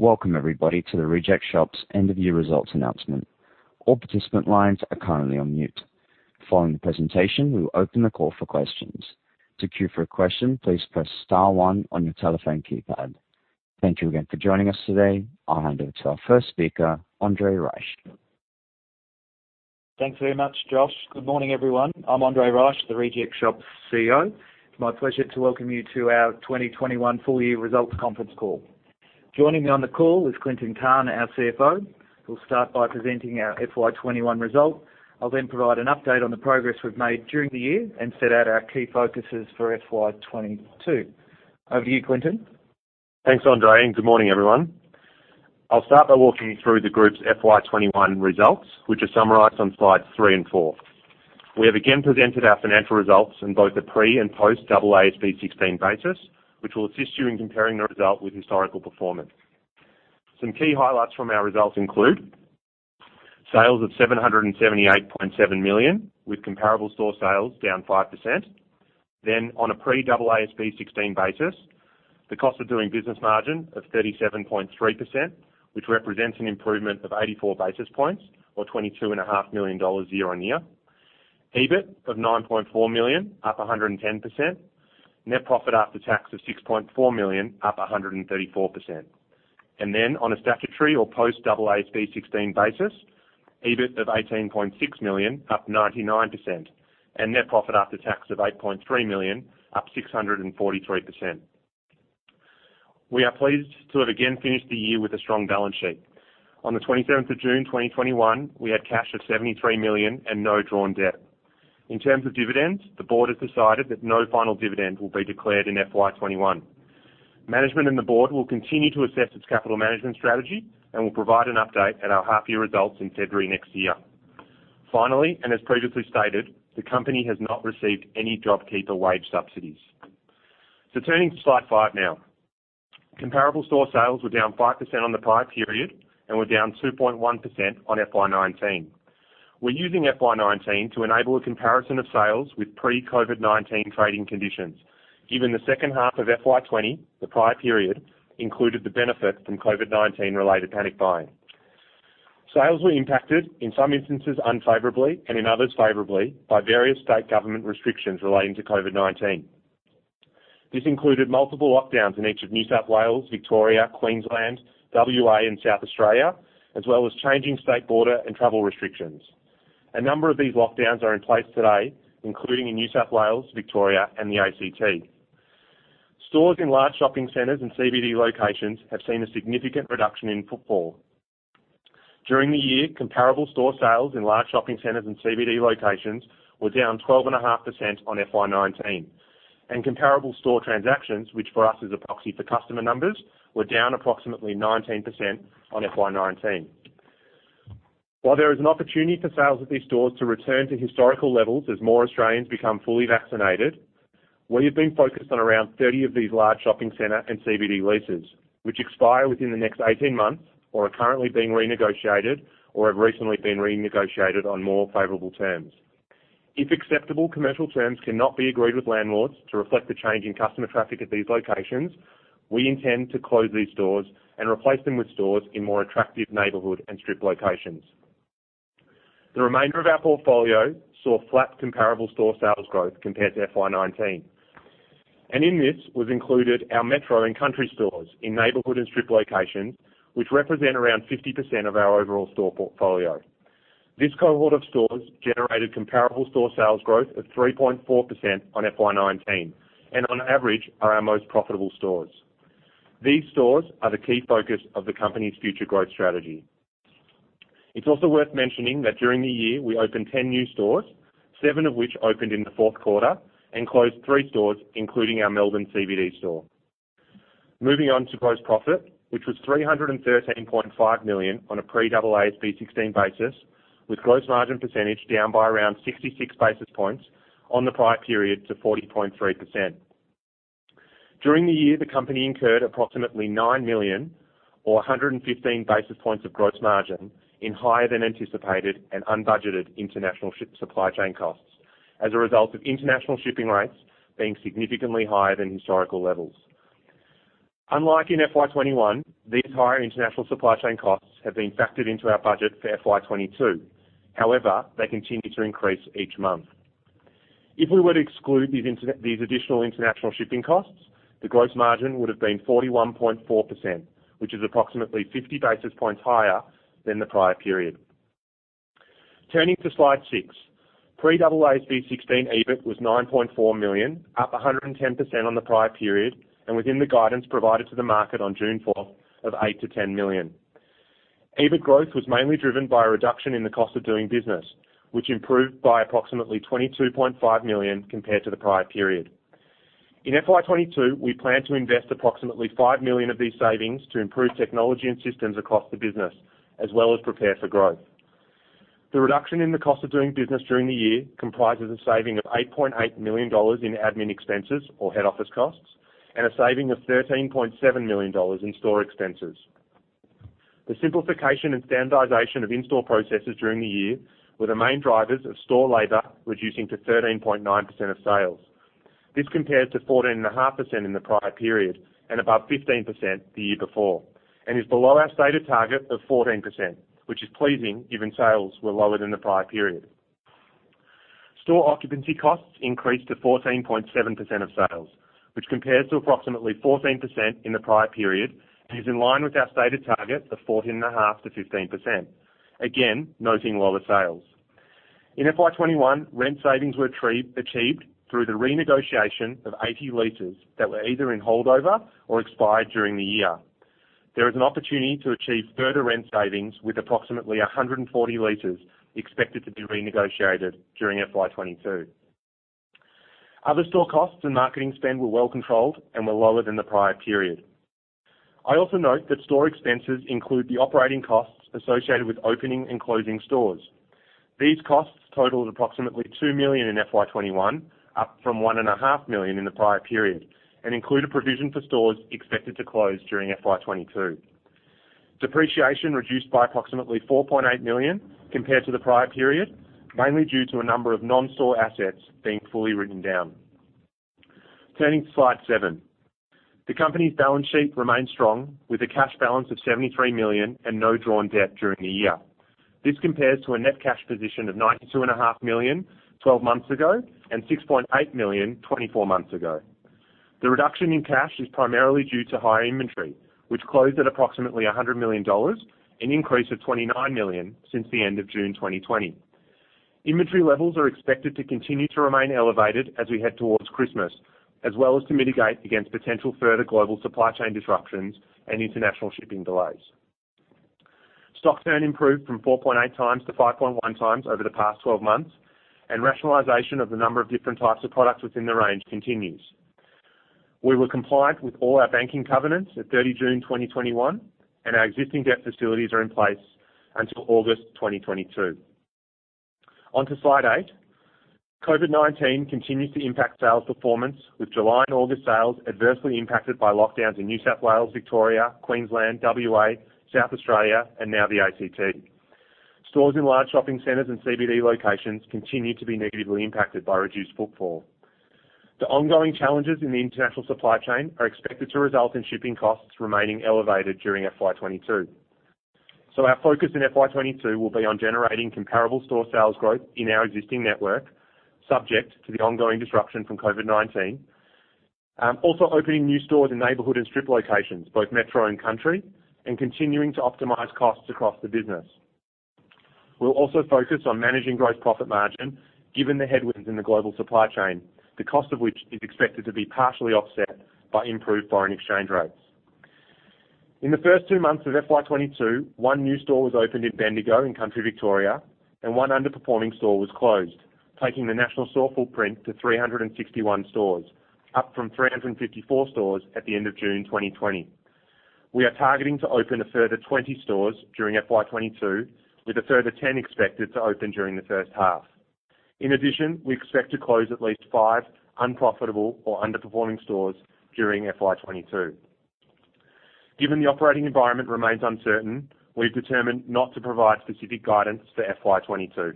Welcome, everybody, to The Reject Shop's end-of-year results announcement. [inaudible] The presentation will open a call for questions, check your questions, and press star on your telephone keypad. Thank you again for joining us today. I'll hand over to our first speaker, Andre Reich. Thanks very much, Josh. Good morning, everyone. I'm Andre Reich, The Reject Shop CEO. It's my pleasure to welcome you to our 2021 full-year results conference call. Joining me on the call is Clinton Cahn, our CFO, who'll start by presenting our FY 2021 results. I'll then provide an update on the progress we've made during the year and set out our key focuses for FY 2022. Over to you, Clinton. Thanks, Andre, and good morning, everyone. I'll start by walking you through the group's FY 2021 results, which are summarized on slides three and four. We have again presented our financial results in both the pre and post AASB 16 basis, which will assist you in comparing the result with historical performance. Some key highlights from our results include sales of 778.7 million with comparable store sales down 5%. On a pre-AASB 16 basis, the cost of doing business margin of 37.3%, which represents an improvement of 84 basis points or 22.5 million dollars year-on-year. EBIT of 9.4 million, up 110%. Net profit after tax of 6.4 million, up 134%. On a statutory or post AASB 16 basis, EBIT of 18.6 million up 99%, and net profit after tax of 8.3 million up 643%. We are pleased to have again finished the year with a strong balance sheet. On the June 27th, 2021, we had cash of 73 million and no drawn debt. In terms of dividends, the board has decided that no final dividend will be declared in FY 2021. Management and the board will continue to assess its capital management strategy and will provide an update at our half year results in February next year. Finally, and as previously stated, the company has not received any JobKeeper wage subsidies. Turning to slide five now. Comparable store sales were down 5% on the prior period and were down 2.1% on FY 2019. We're using FY 2019 to enable a comparison of sales with pre-COVID-19 trading conditions. Given the second half of FY 2020, the prior period, included the benefit from COVID-19 related panic buying. Sales were impacted, in some instances, unfavorably and in others favorably, by various state government restrictions relating to COVID-19. This included multiple lockdowns in each of New South Wales, Victoria, Queensland, W.A. and South Australia, as well as changing state border and travel restrictions. A number of these lockdowns are in place today, including in New South Wales, Victoria, and the ACT. Stores in large shopping centers and CBD locations have seen a significant reduction in footfall. During the year, comparable store sales in large shopping centers and CBD locations were down 12.5% on FY 2019. Comparable store transactions, which for us is a proxy for customer numbers, were down approximately 19% on FY 2019. While there is an opportunity for sales at these stores to return to historical levels as more Australians become fully vaccinated, we have been focused on around 30 of these large shopping centers and CBD leases, which expire within the next 18 months or are currently being renegotiated or have recently been renegotiated on more favorable terms. If acceptable commercial terms cannot be agreed with landlords to reflect the change in customer traffic at these locations, we intend to close these stores and replace them with stores in more attractive neighborhoods and strip locations. The remainder of our portfolio saw flat comparable store sales growth compared to FY 2019, and in this was included our metro and country stores in neighborhood and strip locations, which represent around 50% of our overall store portfolio. This cohort of stores generated comparable store sales growth of 3.4% on FY 2019, and on average, are our most profitable stores. These stores are the key focus of the company's future growth strategy. It's also worth mentioning that during the year, we opened 10 new stores, seven of which opened in the fourth quarter and closed three stores, including our Melbourne CBD store. Moving on to gross profit, which was 313.5 million on a pre-AASB 16 basis, with gross margin percentage down by around 66 basis points on the prior period to 40.3%. During the year, the company incurred approximately 9 million or 115 basis points of gross margin in higher than anticipated and unbudgeted international ship supply chain costs as a result of international shipping rates being significantly higher than historical levels. Unlike in FY 2021, these higher international supply chain costs have been factored into our budget for FY 2022. However, they continue to increase each month. If we were to exclude these additional international shipping costs, the gross margin would have been 41.4%, which is approximately 50 basis points higher than the prior period. Turning to slide six. Pre-AASB 16 EBIT was 9.4 million, up 110% on the prior period and within the guidance provided to the market on June 4th of 8 million-10 million. EBIT growth was mainly driven by a reduction in the cost of doing business, which improved by approximately AUD 22.5 million compared to the prior period. In FY 2022, we plan to invest approximately AUD 5 millions of these savings to improve technology and systems across the business, as well as prepare for growth. The reduction in the cost of doing business during the year comprises a saving of 8.8 million dollars in admin expenses or head office costs, and a saving of 13.7 million dollars in store expenses. The simplification and standardization of in-store processes during the year were the main drivers of store labor reducing to 13.9% of sales. This compares to 14.5% in the prior period and above 15% the year before, and is below our stated target of 14%, which is pleasing given sales were lower than the prior period. Store occupancy costs increased to 14.7% of sales, which compares to approximately 14% in the prior period and is in line with our stated target of 14.5%-15%. Again, noting lower sales. In FY 2021, rent savings were achieved through the renegotiation of 80 leases that were either in holdover or expired during the year. There is an opportunity to achieve further rent savings with approximately 140 leases expected to be renegotiated during FY 2022. Other store costs and marketing spend were well-controlled and were lower than the prior period. I also note that store expenses include the operating costs associated with opening and closing stores. These costs totaled approximately 2 million in FY 2021, up from 1.5 million in the prior period, and include a provision for stores expected to close during FY 2022. Depreciation reduced by approximately 4.8 million compared to the prior period, mainly due to a number of non-store assets being fully written down. Turning to slide seven. The company's balance sheet remains strong with a cash balance of 73 million and no drawn debt during the year. This compares to a net cash position of 92.5 million 12 months ago and 6.8 million 24 months ago. The reduction in cash is primarily due to higher inventory, which closed at approximately 100 million dollars, an increase of 29 million since the end of June 2020. Inventory levels are expected to continue to remain elevated as we head towards Christmas, as well as to mitigate against potential further global supply chain disruptions and international shipping delays. Stock turn improved from 4.8x to 5.1x over the past 12 months. Rationalization of the number of different types of products within the range continues. We were compliant with all our banking covenants on June 30, 2021. Our existing debt facilities are in place until August 2022. On to slide eight. COVID-19 continues to impact sales performance, with July and August sales adversely impacted by lockdowns in New South Wales, Victoria, Queensland, W.A., South Australia, and now the A.C.T. Stores in large shopping centers and CBD locations continue to be negatively impacted by reduced footfall. The ongoing challenges in the international supply chain are expected to result in shipping costs remaining elevated during FY 2022. Our focus in FY 2022 will be on generating comparable store sales growth in our existing network, subject to the ongoing disruption from COVID-19, also opening new stores in neighborhood and strip locations, both metro and country, and continuing to optimize costs across the business. We'll also focus on managing gross profit margin, given the headwinds in the global supply chain, the cost of which is expected to be partially offset by improved foreign exchange rates. In the first two months of FY 2022, one new store was opened in Bendigo in country Victoria, and one underperforming store was closed, taking the national store footprint to 361 stores, up from 354 stores at the end of June 2020. We are targeting to open a further 20 stores during FY 2022, with a further 10 expected to open during the first half. In addition, we expect to close at least five unprofitable or underperforming stores during FY 2022. Given the operating environment remains uncertain, we've determined not to provide specific guidance for FY 2022.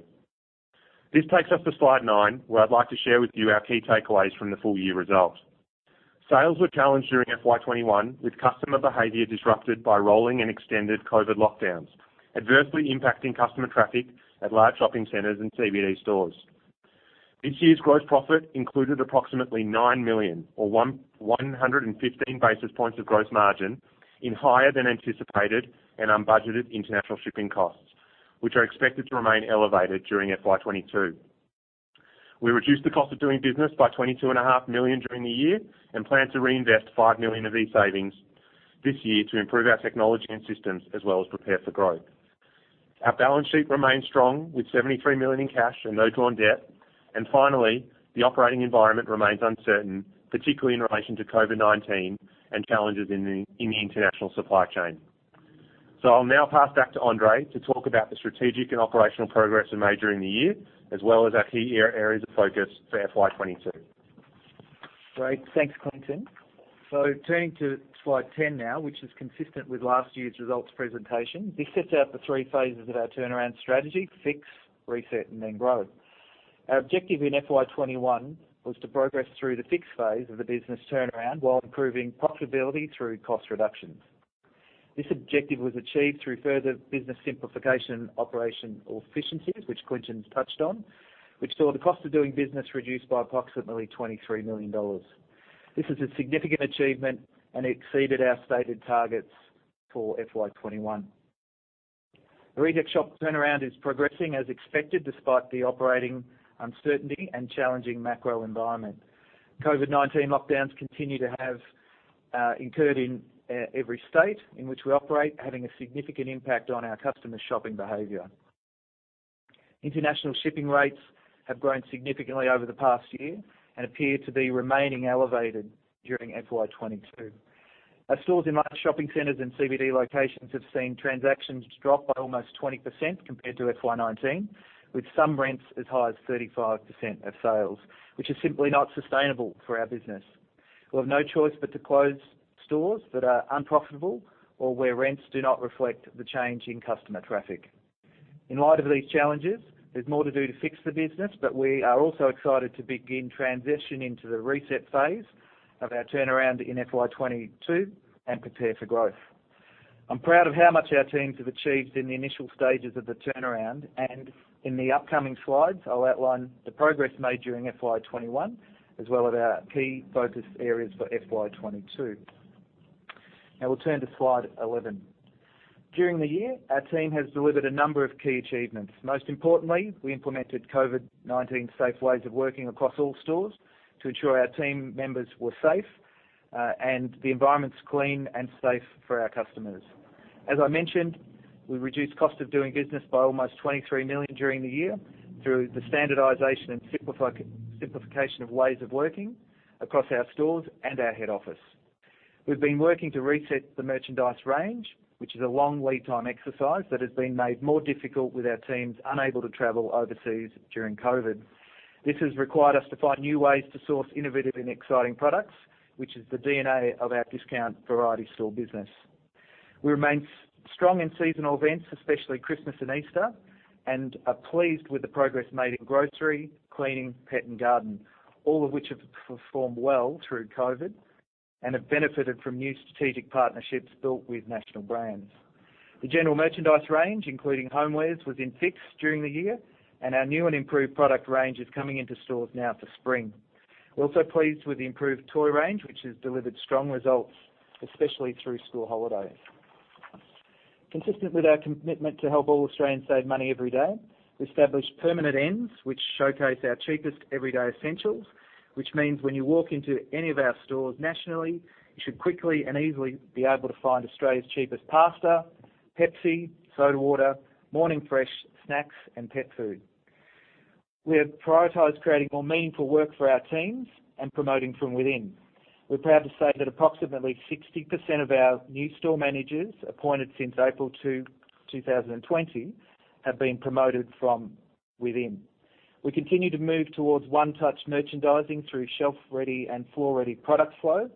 This takes us to slide nine, where I'd like to share with you our key takeaways from the full-year results. Sales were challenged during FY 2021, with customer behavior disrupted by rolling and extended COVID lockdowns, adversely impacting customer traffic at large shopping centers and CBD stores. This year's gross profit included approximately 9 million or 115 basis points of gross margin in higher than anticipated and unbudgeted international shipping costs, which are expected to remain elevated during FY 2022. We reduced the cost of doing business by 22.5 million during the year and plan to reinvest 5 million of these savings this year to improve our technology and systems, as well as prepare for growth. Our balance sheet remains strong, with AUD 73 million in cash and no drawn debt. Finally, the operating environment remains uncertain, particularly in relation to COVID-19 and challenges in the international supply chain. I'll now pass back to Andre to talk about the strategic and operational progress we made during the year, as well as our key areas of focus for FY 2022. Great. Thanks, Clinton. Turning to slide 10 now, which is consistent with last year's results presentation. This sets out the phase III of our turnaround strategy: fix, reset, and then grow. Our objective in FY 2021 was to progress through the fix phase of the business turnaround while improving profitability through cost reductions. This objective was achieved through further business simplification operation efficiencies, which Clinton Cahn's touched on, which saw the cost of doing business reduced by approximately 23 million dollars. This is a significant achievement, and it exceeded our stated targets for FY 2021. The Reject Shop turnaround is progressing as expected, despite the operating uncertainty and challenging macro environment. COVID-19 lockdowns continue to have incurred in every state in which we operate, having a significant impact on our customers' shopping behavior. International shipping rates have grown significantly over the past year and appear to be remaining elevated during FY 2022. Our stores in large shopping centers and CBD locations have seen transactions drop by almost 20% compared to FY 2019, with some rents as high as 35% of sales, which is simply not sustainable for our business. We have no choice but to close stores that are unprofitable or where rents do not reflect the change in customer traffic. In light of these challenges, there's more to do to fix the business, but we are also excited to begin transitioning to the reset phase of our turnaround in FY 2022 and prepare for growth. I'm proud of how much our teams have achieved in the initial stages of the turnaround, and in the upcoming slides, I'll outline the progress made during FY 2021, as well as our key focus areas for FY 2022. Now we'll turn to slide 11. During the year, our team has delivered a number of key achievements. Most importantly, we implemented COVID-19 safe ways of working across all stores to ensure our team members were safe and the environment was clean and safe for our customers. As I mentioned, we reduced the cost of doing business by almost 23 million during the year through the standardization and simplification of ways of working across our stores and our head office. We've been working to reset the merchandise range, which is a long lead time exercise that has been made more difficult with our teams unable to travel overseas during COVID. This has required us to find new ways to source innovative and exciting products, which is the DNA of our discount variety store business. We remain strong in seasonal events, especially Christmas and Easter, and are pleased with the progress made in grocery, cleaning, pet, and garden, all of which have performed well through COVID-19 and have benefited from new strategic partnerships built with national brands. The general merchandise range, including homewares, was in fix during the year, and our new and improved product range is coming into stores now for spring. We're also pleased with the improved toy range, which has delivered strong results, especially during school holidays. Consistent with our commitment to help all Australians save money every day, we established permanent ends, which showcase our cheapest everyday essentials, which means when you walk into any of our stores nationally, you should quickly and easily be able to find Australia's cheapest pasta, Pepsi, soda water, Morning Fresh snacks, and pet food. We have prioritized creating more meaningful work for our teams and promoting from within. We're proud to say that approximately 60% of our new store managers appointed since April 2020 have been promoted from within. We continue to move towards one-touch merchandising through shelf-ready and floor-ready product flow,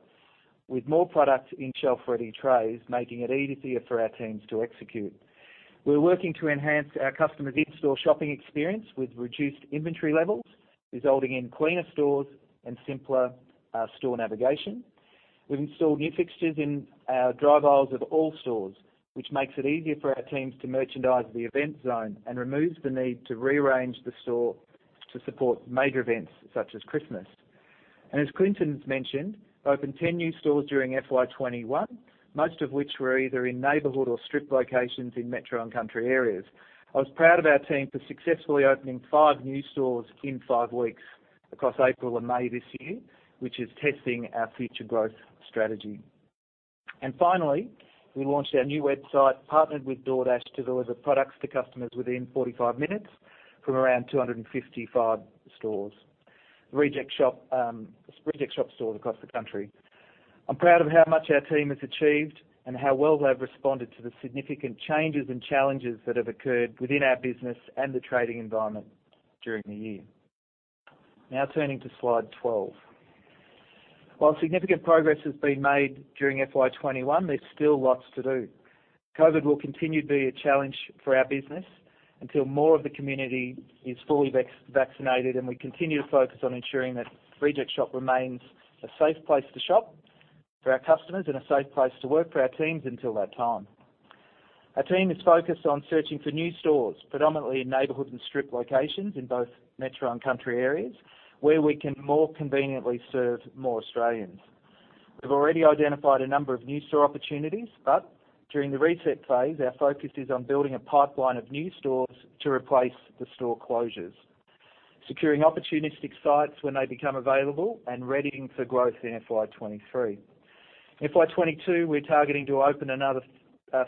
with more product in shelf-ready trays, making it easier for our teams to execute. We're working to enhance our customers' in-store shopping experience with reduced inventory levels, resulting in cleaner stores and simpler store navigation. We've installed new fixtures in our drive aisles at all stores, which makes it easier for our teams to merchandise the event zone and removes the need to rearrange the store to support major events such as Christmas. As Clinton mentioned, opened 10 new stores during FY 2021, most of which were either in neighborhood or strip locations in metro and country areas. I was proud of our team for successfully opening five new stores in five weeks across April and May this year, which is testing our future growth strategy. Finally, we launched our new website, partnered with DoorDash to deliver products to customers within 45 minutes from around 255 The Reject Shop stores across the country. I'm proud of how much our team has achieved and how well they've responded to the significant changes and challenges that have occurred within our business and the trading environment during the year. Now turning to slide 12. While significant progress has been made during FY 2021, there's still lots to do. COVID-19 will continue to be a challenge for our business until more of the community is fully vaccinated, and we continue to focus on ensuring that The Reject Shop remains a safe place to shop for our customers and a safe place to work for our teams until that time. Our team is focused on searching for new stores, predominantly in neighborhood and strip locations in both metro and country areas, where we can more conveniently serve more Australians. We've already identified a number of new store opportunities, but during the reset phase, our focus is on building a pipeline of new stores to replace the store closures, securing opportunistic sites when they become available, and readying for growth in FY 2023. In FY 2022, we're targeting to open another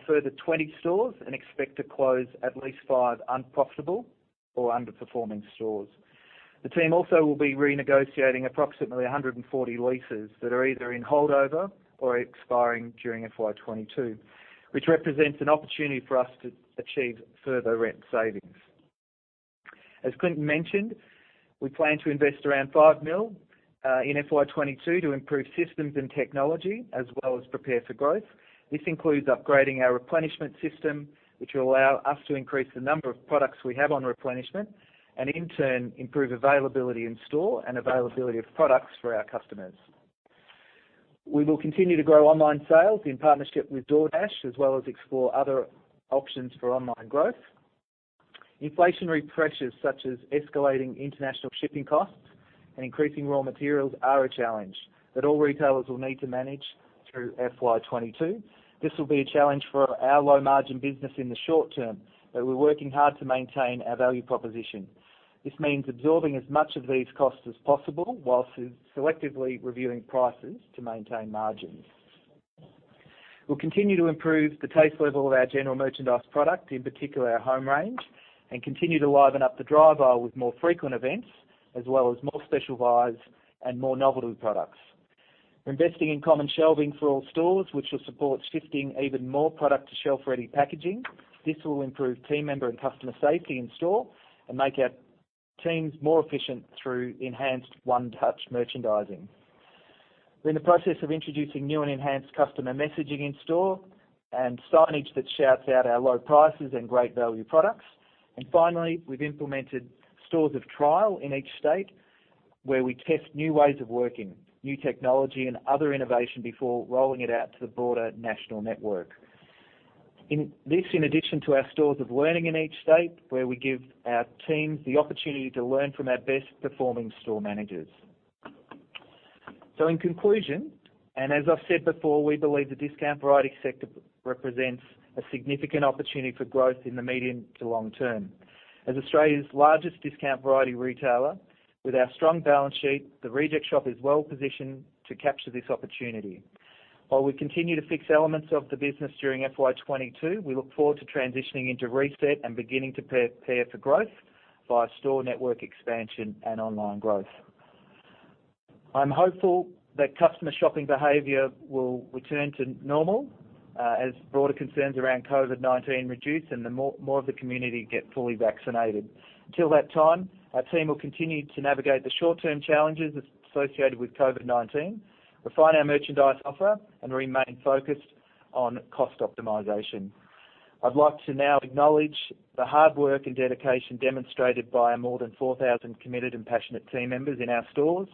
further 20 stores and expect to close at least five unprofitable or underperforming stores. The team will also be renegotiating approximately 140 leases that are either in holdover or expiring during FY 2022, which represents an opportunity for us to achieve further rent savings. As Clinton mentioned, we plan to invest around 5 million in FY 2022 to improve systems and technology, as well as prepare for growth. This includes upgrading our replenishment system, which will allow us to increase the number of products we have on replenishment, and in turn, improve availability in store and availability of products for our customers. We will continue to grow online sales in partnership with DoorDash, as well as explore other options for online growth. Inflationary pressures, such as escalating international shipping costs and increasing raw materials, are a challenge that all retailers will need to manage through FY 2022. This will be a challenge for our low-margin business in the short term, but we're working hard to maintain our value proposition. This means absorbing as many of these costs as possible while selectively reviewing prices to maintain margins. We'll continue to improve the taste level of our general merchandise product, in particular our home range, and continue to liven up the drive aisle with more frequent events, as well as more specialized and more novelty products. We're investing in common shelving for all stores, which will support shifting even more product to shelf-ready packaging. This will improve team member and customer safety in-store and make our teams more efficient through enhanced one-touch merchandising. We're in the process of introducing new and enhanced customer messaging in-store and signage that shouts out our low prices and great value products. Finally, we've implemented stores of trial in each state where we test new ways of working, new technology, and other innovation before rolling it out to the broader national network. This in addition to our stores of learning in each state, where we give our teams the opportunity to learn from our best-performing store managers. In conclusion, and as I've said before, we believe the discount variety sector represents a significant opportunity for growth in the medium to long term. As Australia's largest discount variety retailer with our strong balance sheet, The Reject Shop is well-positioned to capture this opportunity. While we continue to fix elements of the business during FY 2022, we look forward to transitioning into reset and beginning to prepare for growth via store network expansion and online growth. I'm hopeful that customer shopping behavior will return to normal, as broader concerns around COVID-19 reduce and more of the community gets fully vaccinated. Until that time, our team will continue to navigate the short-term challenges associated with COVID-19, refine our merchandise offer, and remain focused on cost optimization. I'd like to now acknowledge the hard work and dedication demonstrated by our more than 4,000 committed and passionate team members in our stores,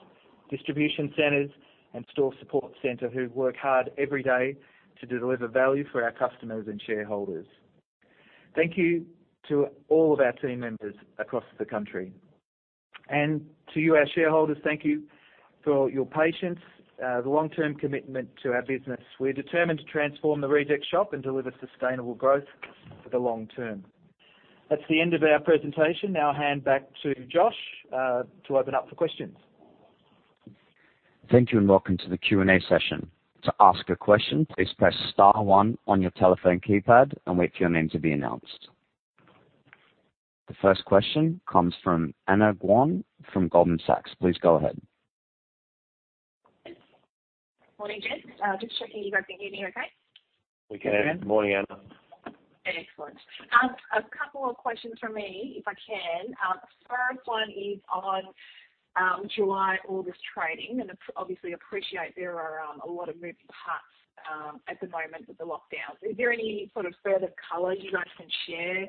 distribution centers, and store support center who work hard every day to deliver value for our customers and shareholders. Thank you to all of our team members across the country. To you, our shareholders, thank you for your patience the long-term commitment to our business. We're determined to transform The Reject Shop and deliver sustainable growth for the long term. That's the end of our presentation. Hand back to Josh, to open up for questions. Thank you and welcome to the Q&A session. To ask the question please press star one on your telephone keypad, wait your turn to be announced. The first question comes from Anna Guan from Goldman Sachs. Please go ahead. Morning, gents. Just checking you guys can hear me okay. We can. Morning, Anna. Excellent. A couple of questions from me, if I can. The first one is on July, August trading, and obviously, appreciate there are a lot of moving parts at the moment with the lockdowns. Is there any sort of further color you guys can share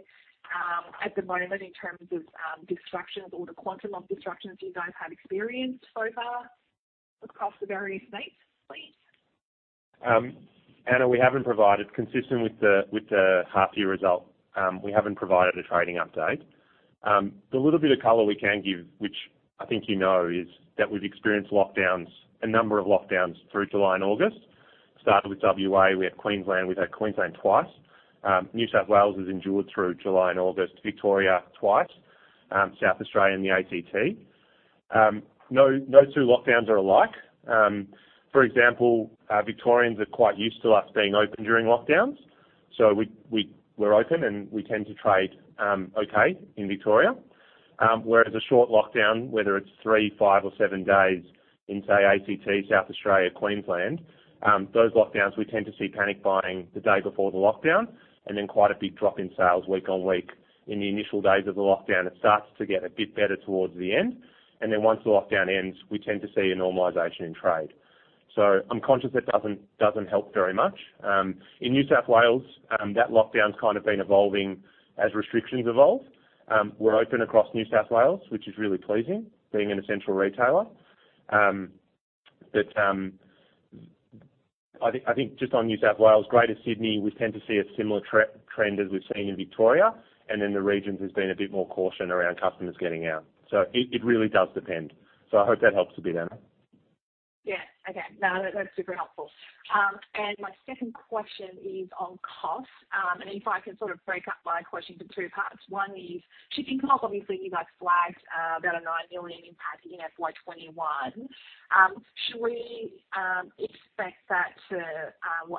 at the moment in terms of disruptions, or the quantum of disruptions you guys have experienced so far across the various states, please? Anna, consistent with the half-year result, we haven't provided a trading update. The little bit of color we can give, which I think you know, is that we've experienced a number of lockdowns through July and August. Started with WA, we had Queensland, we've had Queensland twice. New South Wales has endured through July and August, Victoria twice, South Australia, and the ACT. No two lockdowns are alike. For example, Victorians are quite used to us being open during lockdowns. We're open, and we tend to trade okay in Victoria. Whereas a short lockdown, whether it's three, five, or seven days in, say, ACT, South Australia, Queensland, those lockdowns, we tend to see panic buying the day before the lockdown, and then quite a big drop in sales week on week. In the initial days of the lockdown, it started to get a bit better towards the end, and then once the lockdown ends, we tend to see a normalization in trade. I'm conscious that doesn't help very much. In New South Wales, that lockdown's kind of been evolving as restrictions evolve. We're open across New South Wales, which is really pleasing, being an essential retailer. I think just on New South Wales, greater Sydney, we tend to see a similar trend as we've seen in Victoria, and then the regions there's been a bit more caution around customers getting out. It really does depend. I hope that helps a bit, Anna. Yeah. Okay. No, that's super helpful. My second question is on cost. If I can sort of break up my question for two parts. One is shipping costs. Obviously, you guys flagged about a 9 million impact in FY 2021.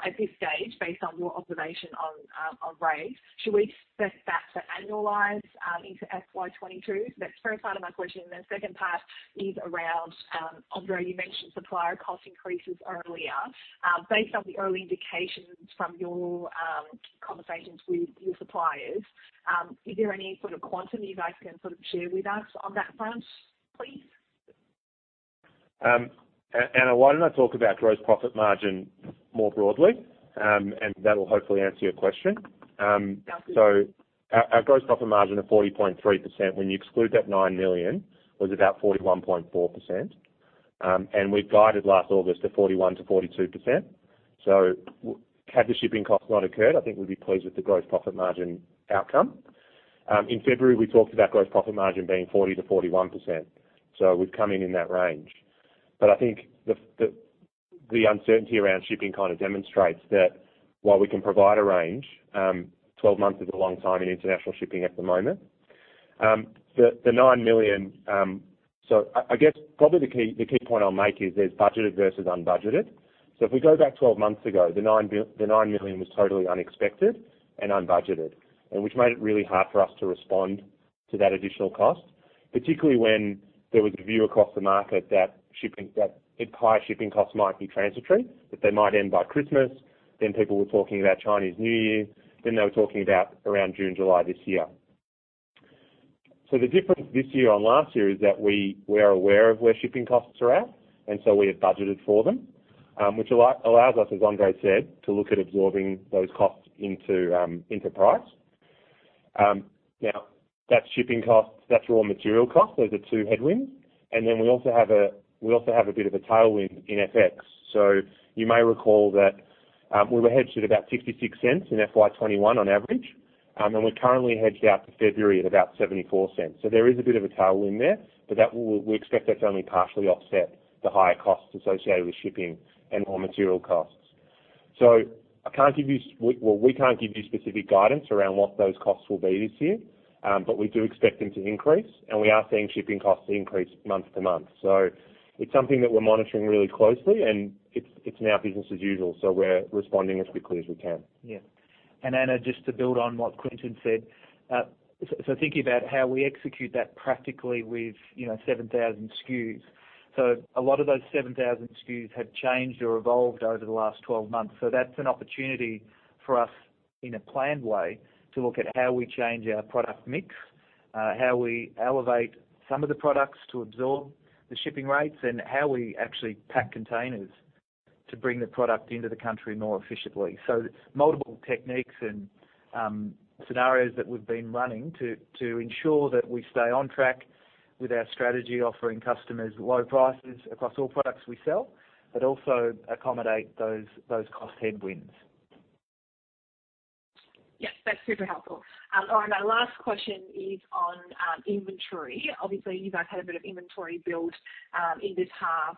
At this stage, based on your observation on rates, should we expect that to annualize into FY 2022? That's the first part of my question. Second part is around, Andre, you mentioned supplier cost increases earlier. Based on the early indications from your conversations with your suppliers, is there any sort of quantum you guys can sort of share with us on that front, please? Anna, why don't I talk about gross profit margin more broadly? That'll hopefully answer your question. Sounds good. Our gross profit margin of 40.3%, when you exclude that 9 million, was about 41.4%. We'd guided last August to 41%-42%. Had the shipping cost not occurred, I think we'd be pleased with the gross profit margin outcome. In February, we talked about gross profit margin being 40%-41%. We've come in that range. I think the uncertainty around shipping kind of demonstrates that while we can provide a range, 12 months is a long time in international shipping at the moment. I guess probably the key point I'll make is there's budgeted versus unbudgeted. If we go back 12 months ago, the 9 million was totally unexpected and unbudgeted, and which made it really hard for us to respond to that additional cost, particularly when there was a view across the market that higher shipping costs might be transitory, that they might end by Christmas. People were talking about the Chinese New Year. They were talking about around June, July this year. The difference this year on last year is that we are aware of where shipping costs are at, we have budgeted for them, which allows us, as Andre said, to look at absorbing those costs into price. That's shipping costs, that's raw material cost. Those are two headwinds. Then we also have a bit of a tailwind in FX. You may recall that we were hedged at about 0.66 in FY 2021 on average. We're currently hedged out to February at about 0.74. There is a bit of a tailwind there, but we expect that to only partially offset the higher costs associated with shipping and raw material costs. We can't give you specific guidance on what those costs will be this year. We do expect them to increase, and we are seeing shipping costs increase month-to-month. It's something that we're monitoring really closely, and it's now business as usual, so we're responding as quickly as we can. Yeah. Anna, just to build on what Clinton said. Thinking about how we execute that practically with 7,000 SKUs. A lot of those 7,000 SKUs have changed or evolved over the last 12 months. That's an opportunity for us in a planned way to look at how we change our product mix, how we elevate some of the products to absorb the shipping rates, and how we actually pack containers to bring the product into the country more efficiently. Multiple techniques and scenarios that we've been running to ensure that we stay on track with our strategy, offering customers low prices across all products we sell, but also accommodate those cost headwinds. Yes, that's super helpful. All right, our last question is on inventory. Obviously, you guys had a bit of inventory build in this half,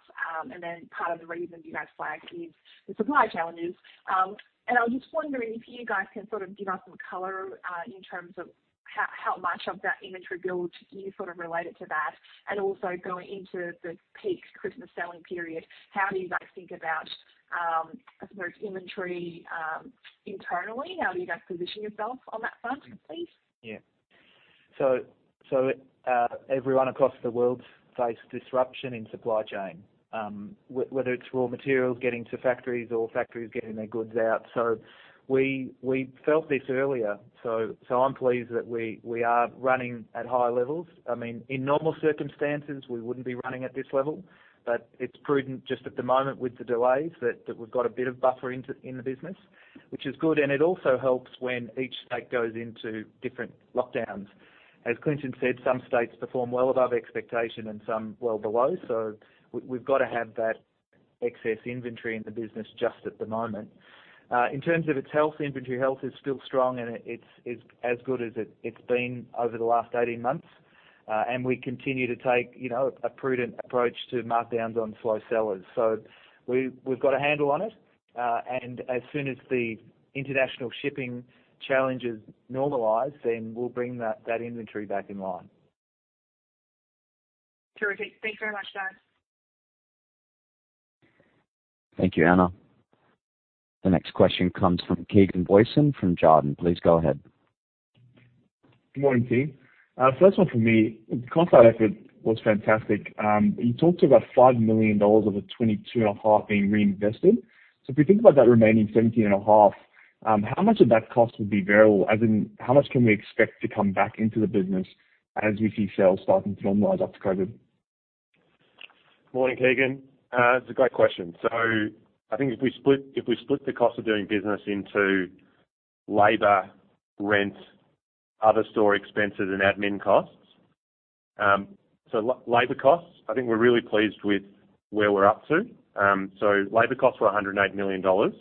and part of the reason you guys flagged is the supply challenges. I was just wondering if you guys can sort of give us some color, in terms of how much of that inventory build you sort of related to that, and also going into the peak Christmas selling period, how do you guys think about, I suppose, inventory internally? How do you guys position yourself on that front, please? Everyone across the world face disruption in supply chain, whether it's raw materials getting to factories or factories getting their goods out. We felt this earlier. I'm pleased that we are running at high levels. In normal circumstances, we wouldn't be running at this level. It's prudent just at the moment with the delays that we've got a bit of buffer in the business, which is good, and it also helps when each state goes into different lockdowns. As Clinton said, some states perform well above expectations and some well below. We've got to have that excess inventory in the business just at the moment. In terms of its health, inventory health is still strong, and it's as good as it's been over the last 18 months. We continue to take a prudent approach to markdowns on slow sellers. We've got a handle on it. As soon as the international shipping challenges normalize, then we'll bring that inventory back in line. Terrific. Thanks very much, guys. Thank you, Anna. The next question comes from Keegan Booysen from Jarden. Please go ahead. Good morning, team. First one from me. The cost side effort was fantastic. You talked about 5 million dollars of the 22.5 being reinvested. If we think about that remaining 17.5, how much of that cost would be variable, as in how much can we expect to come back into the business as we see sales starting to normalize after COVID-19? Morning, Keegan. It's a great question. I think if we split the cost of doing business into labor, rent, other store expenses, and admin costs. Labor costs, I think we're really pleased with where we're up to. Labor costs were 108 million dollars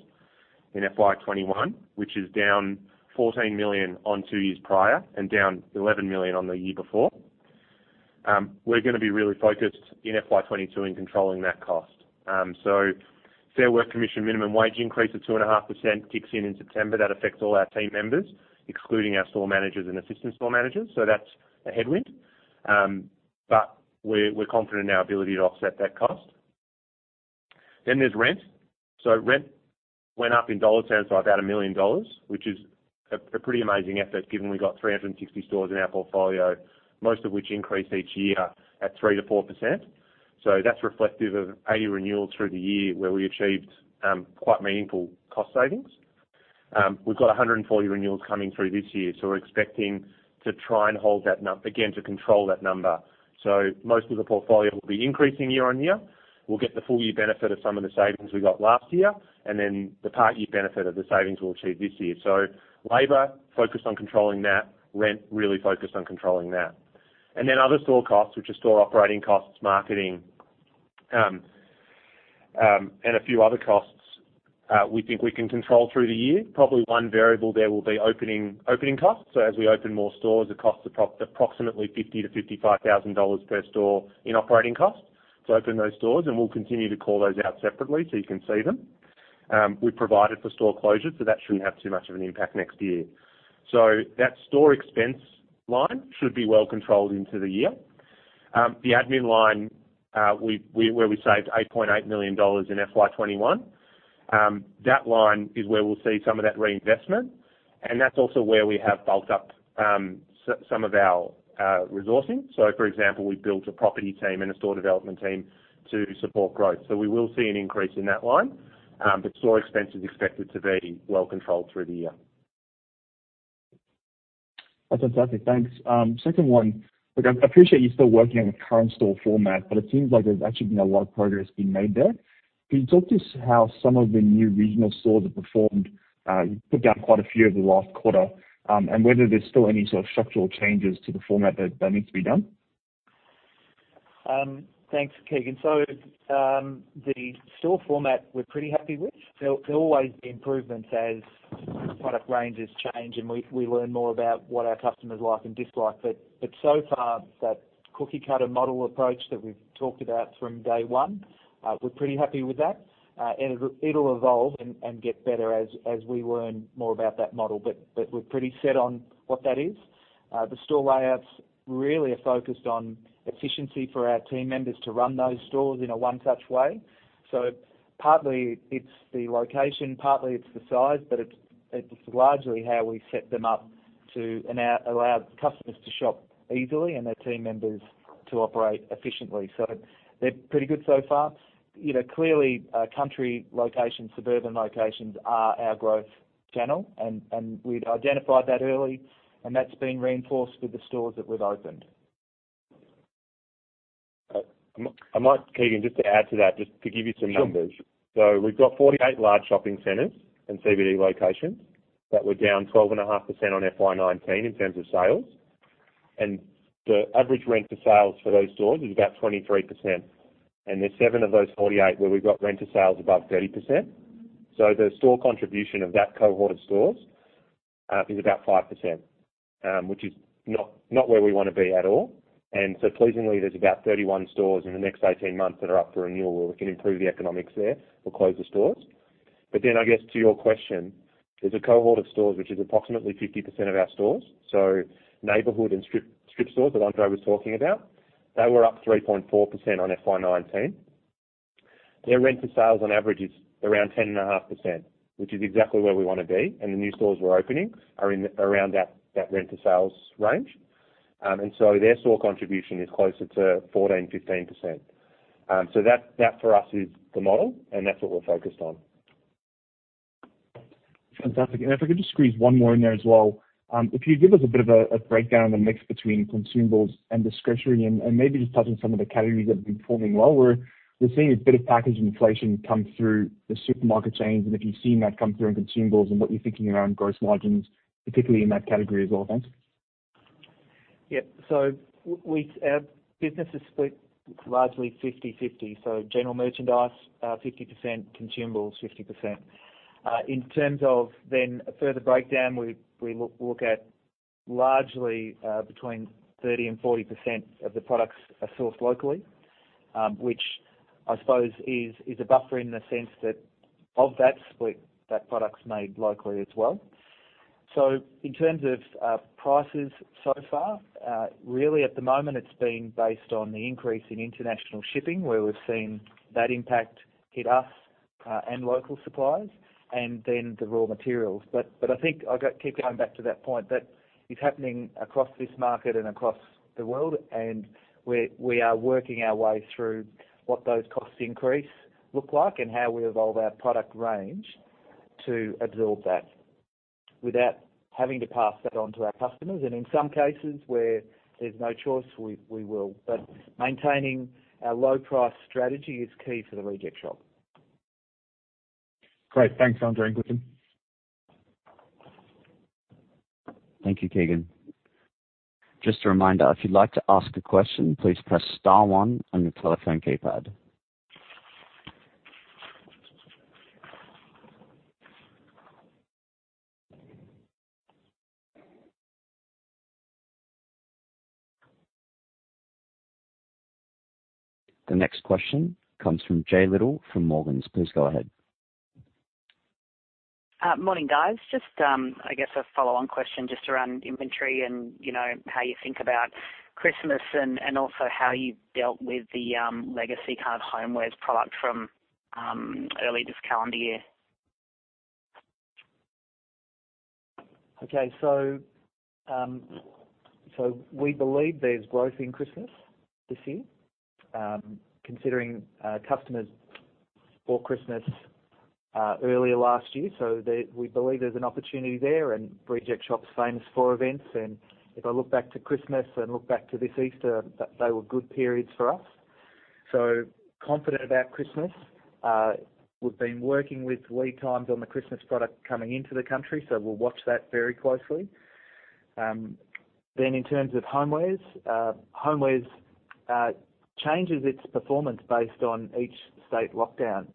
in FY 2021, which is down 14 million on two years prior and down 11 million on the year before. We're gonna be really focused on FY 2022 in controlling that cost. Fair Work Commission minimum wage increase of 2.5% kicks in in September. That affects all our team members, excluding our store managers and assistant store managers. That's a headwind. We're confident in our ability to offset that cost. There's rent. Rent went up in AUD terms by about 1 million dollars, which is a pretty amazing effort given we've got 360 stores in our portfolio, most of which increase each year at 3%-4%. That's reflective of 80 renewals through the year where we achieved quite meaningful cost savings. We've got 140 renewals coming through this year, so we're expecting to try and hold that number to control that number. Most of the portfolio will be increasing year-over-year. We'll get the full-year benefit of some of the savings we got last year, and then the part-year benefit of the savings we'll achieve this year. Labor is focused on controlling that. Rent, really focused on controlling that. Other store costs, which are store operating costs, marketing, and a few other costs, we think we can control through the year. Probably one variable there will be opening costs. As we open more stores, it costs approximately 50,000-55,000 dollars per store in operating costs to open those stores, and we'll continue to call those out separately so you can see them. We've provided for store closures, so that shouldn't have too much of an impact next year. That store expense line should be well controlled into the year. The admin line, where we saved 8.8 million dollars in FY 2021. That line is where we'll see some of that reinvestment, and that's also where we have bulked up some of our resourcing. For example, we built a property team and a store development team to support growth. We will see an increase in that line. Store expense is expected to be well controlled through the year. That's fantastic. Thanks. Second one, look, I appreciate you're still working on the current store format, but it seems like there's actually been a lot of progress being made there. Can you talk to us how some of the new regional stores have performed? You've put down quite a few over the last quarter, and whether there's still any sort of structural changes to the format that need to be done. Thanks, Keegan. The store format we're pretty happy with. There'll always be improvements as product ranges change and we learn more about what our customers like and dislike. So far, that cookie-cutter model approach that we've talked about from day one, we're pretty happy with that. It'll evolve and get better as we learn more about that model. We're pretty set on what that is. The store layouts really are focused on efficiency for our team members to run those stores in a one-touch way. Partly it's the location, partly it's the size, but it's largely how we set them up to allow customers to shop easily and our team members to operate efficiently. They're pretty good so far. Clearly, country locations and suburban locations are our growth channel, and we'd identified that early, and that's been reinforced with the stores that we've opened. I might, Keegan, just to add to that, just to give you some numbers. Sure. We've got 48 large shopping centers and CBD locations that were down 12.5% on FY 2019 in terms of sales. The average rent-to-sales for those stores is about 23%, and there's seven of those 48 where we've got rent-to-sales above 30%. The store contribution of that cohort of stores is about 5%, which is not where we want to be at all. Pleasingly, there's about 31 stores in the next 18 months that are up for renewal where we can improve the economics there or close the stores. I guess to your question, there's a cohort of stores which is approximately 50% of our stores. Neighborhood and strip stores that Andre was talking about, they were up 3.4% on FY 2019. Their rent-to-sales on average is around 10.5%, which is exactly where we want to be, and the new stores we're opening are in around that rent-to-sales range. Their store contribution is closer to 14%-15%. That for us is the model and that's what we're focused on. Fantastic. If I could just squeeze one more in there as well. If you give us a bit of a breakdown in the mix between consumables and discretionary, and maybe just touch on some of the categories that have been performing well. We're seeing a bit of package inflation come through the supermarket chains, and if you're seeing that come through in consumables and what you're thinking around gross margins, particularly in that category as well. Thanks. Yeah. Our business is split largely 50/50. General merchandise 50%, consumables 50%. In terms of a further breakdown, we look at largely between 30% and 40% of the products are sourced locally, which I suppose is a buffer in the sense that of that split, that product's made locally as well. In terms of prices so far, really at the moment it's been based on the increase in international shipping, where we've seen that impact hit us, and local suppliers, and the raw materials. I think I keep going back to that point that it's happening across this market and across the world, and we are working our way through what those cost increase look like and how we evolve our product range to absorb that without having to pass that on to our customers. In some cases where there's no choice, we will, but maintaining our low price strategy is key for The Reject Shop. Great. Thanks, Andre and Keegan. Thank you, Keegan. Just a reminder, if you'd like to ask a question, please press star one on your telephone keypad. The next question comes from Jo Little from Morgans. Please go ahead. Morning, guys. Just, I guess a follow-on question just around inventory and how you think about Christmas and also how you've dealt with the legacy hard homewares product from early this calendar year. Okay. We believe there's growth in Christmas this year, considering customers bought Christmas earlier last year. We believe there's an opportunity there, and Reject Shop's famous for events. If I look back to Christmas and look back to this Easter, they were good periods for us. Confident about Christmas. We've been working with lead times on the Christmas product coming into the country, so we'll watch that very closely. In terms of homewares changes its performance based on each state lockdown.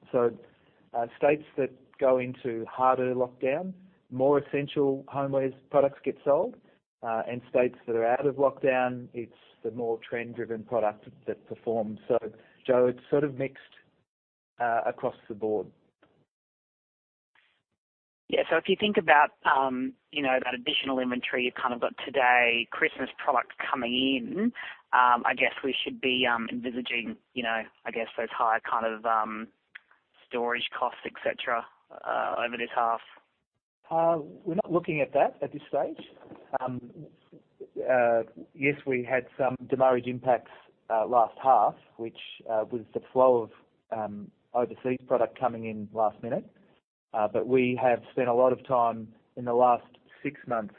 States that go into a harder lockdown, more essential homewares products get sold. States that are out of lockdown, it's the more trend-driven product that performs. Jo, it's sort of mixed across the board. Yeah. If you think about that additional inventory, you've kind of got today, Christmas product coming in, I guess we should be envisaging those higher kind of storage costs et cetera over this half. We're not looking at that at this stage. Yes, we had some demurrage impacts last half, which was the flow of overseas product coming in last minute. We have spent a lot of time in the last six months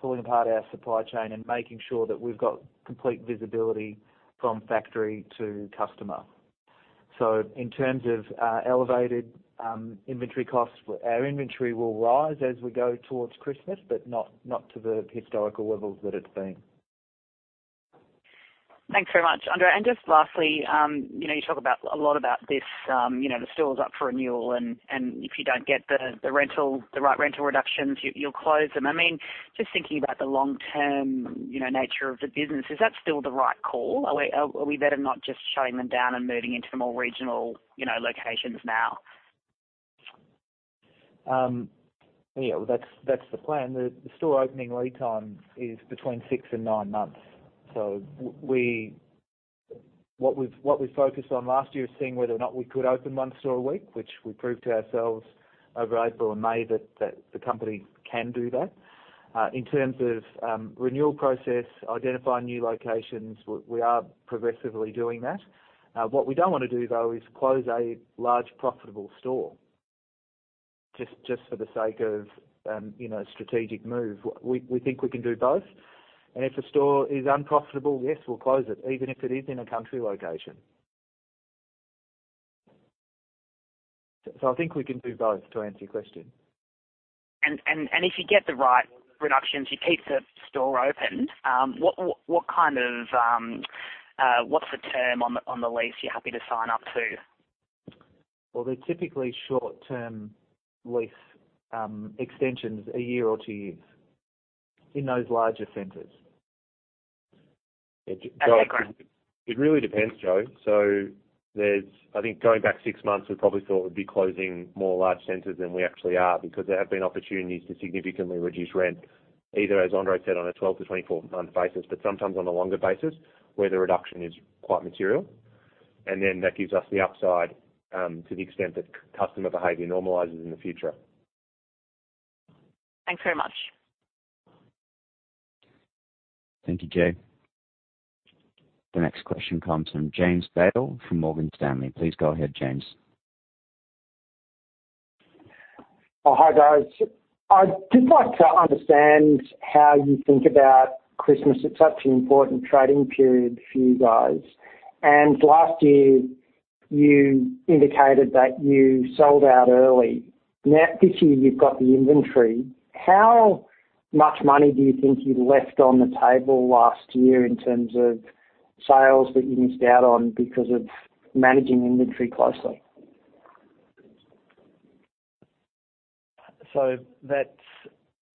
pulling apart our supply chain and making sure that we've got complete visibility from factory to customer. In terms of elevated inventory costs, our inventory will rise as we go towards Christmas, but not to the historical levels that it's been. Thanks very much, Andre. Just lastly, you talk a lot about this, the store's up for renewal and if you don't get the right rental reductions, you'll close them. Just thinking about the long-term nature of the business, is that still the right call? Are we better not just shutting them down and moving into the more regional locations now? That's the plan. The store opening lead time is between six and nine months. What we've focused on last year is seeing whether or not we could open one store a week, which we proved to ourselves over April and May that the company can do that. In terms of renewal process, identifying new locations, we are progressively doing that. What we don't want to do, though, is close a large profitable store just for the sake of strategic move. We think we can do both, and if a store is unprofitable, yes, we'll close it, even if it is in a country location. I think we can do both to answer your question. If you get the right reductions, you keep the store open, what's the term on the lease you're happy to sign up to? Well, they're typically short-term lease extensions, a year or two years in those larger centers. Okay, great. It really depends, Jo. I think going back six months, we probably thought we'd be closing more large centers than we actually are because there have been opportunities to significantly reduce rent, either, as Andre said, on a 12 to 24-month basis, but sometimes on a longer basis where the reduction is quite material. That gives us the upside to the extent that customer behavior normalizes in the future. Thanks very much. Thank you, Jo. The next question comes from James Bales from Morgan Stanley. Please go ahead, James. Hi, guys. I did like to understand how you think about Christmas. It is such an important trading period for you guys. Last year you indicated that you sold out early. This year you have got the inventory. How much money do you think you left on the table last year in terms of sales that you missed out on because of managing inventory closely?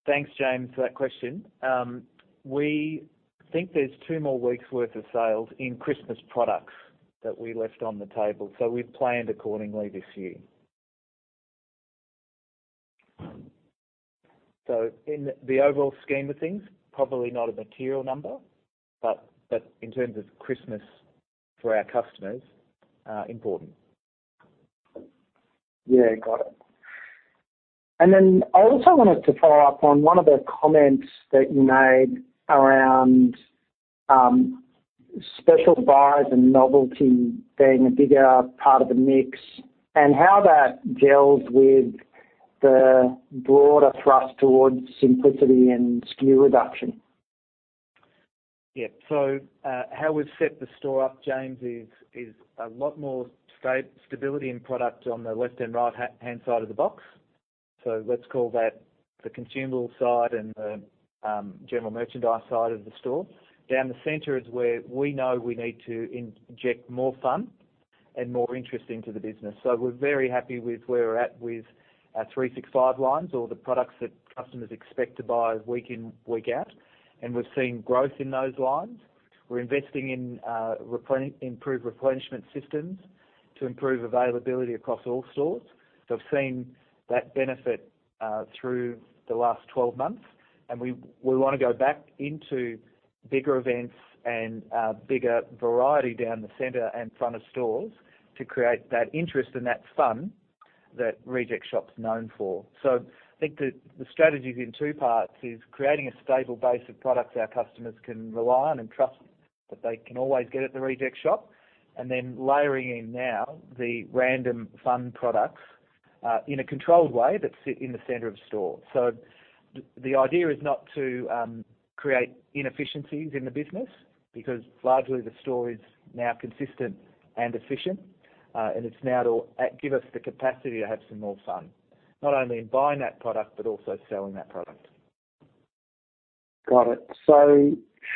Thanks, James, for that question. We think there's two more week's worth of sales in Christmas products that we left on the table. We've planned accordingly this year. In the overall scheme of things, probably not a material number, but in terms of Christmas for our customers, important. Yeah, got it. Then I also wanted to follow up on one of the comments that you made around special buys and novelty being a bigger part of the mix, and how that gels with the broader thrust towards simplicity and SKU reduction. Yeah. How we've set the store up, James, is a lot more stability in the product on the left and right-hand side of the box. Let's call that the consumable side and the general merchandise side of the store. Down the center is where we know we need to inject more fun and more interest into the business. We're very happy with where we're at with our 365 lines or the products that customers expect to buy week in, week out. We've seen growth in those lines. We're investing in improved replenishment systems to improve availability across all stores. I've seen that benefit through the last 12 months, and we want to go back into bigger events and bigger variety down the center and front of stores to create that interest and that fun that Reject Shop's known for. I think the strategy is in two parts: creating a stable base of products our customers can rely on and trust that they can always get at The Reject Shop, and then layering in now the random fun products in a controlled way that sit in the center of store. The idea is not to create inefficiencies in the business, because largely the store is now consistent and efficient, and it's now to give us the capacity to have some more fun, not only in buying that product, but also selling that product. Got it.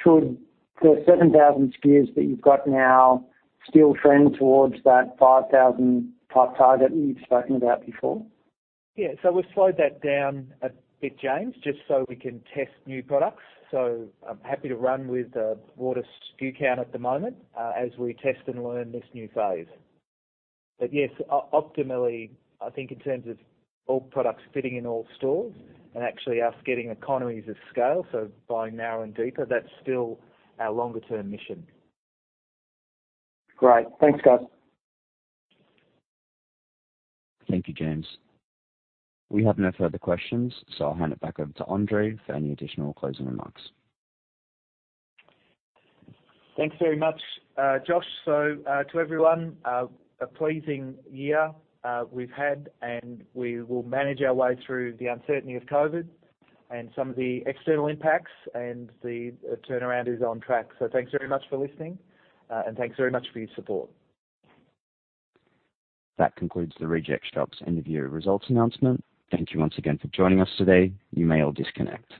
Should the 7,000 SKUs that you've got now still trend towards that 5,000-type target you've spoken about before? We've slowed that down a bit, James, just so we can test new products. I'm happy to run with the broader SKU count at the moment as we test and learn this new phase. Yes, optimally, I think in terms of all products fitting in all stores and actually us getting economies of scale, so buying narrow and deeper, that's still our longer-term mission. Great. Thanks, guys. Thank you, James. We have no further questions, so I'll hand it back over to Andre for any additional closing remarks. Thanks very much, Josh. To everyone, a pleasing year we've had, and we will manage our way through the uncertainty of COVID-19 and some of the external impacts, and the turnaround is on track. Thanks very much for listening, and thanks very much for your support. That concludes The Reject Shop's end of year results announcement. Thank you once again for joining us today. You may all disconnect.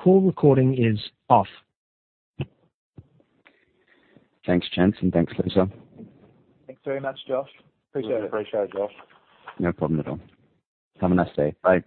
Call recording is off. Thanks, gents, and thanks, Liza. Thanks very much, Josh. Appreciate it. Appreciate it, Josh. No problem at all. Have a nice day. Bye